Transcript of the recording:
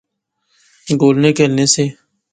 گولنے کہلنے سے